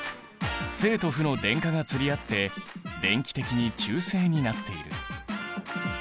正と負の電荷が釣り合って電気的に中性になっている。